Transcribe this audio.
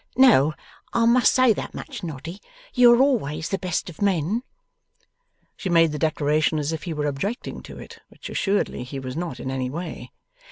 No, I must say that much, Noddy. You are always the best of men.' She made the declaration as if he were objecting to it: which assuredly he was not in any way.